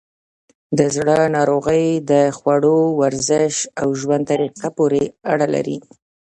د زړه ناروغۍ د خوړو، ورزش، او ژوند طریقه پورې اړه لري.